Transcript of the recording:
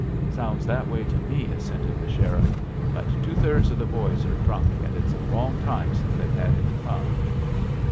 "Sounds that way to me," assented the sheriff; "but two thirds of the boys are drunk, and it's a long time since they've had any fun."